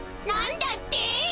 なんだって！